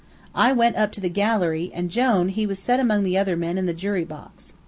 I went up into the gallery, and Jone, he was set among the other men in the jury box.